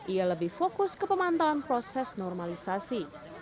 ia lebih fokus ke pemantauan proses normalisasi